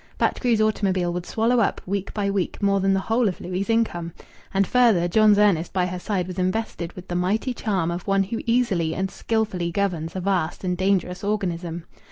Batchgrew's automobile would swallow up, week by week, more than the whole of Louis' income. And further, John's Ernest by her side was invested with the mighty charm of one who easily and skilfully governs a vast and dangerous organism.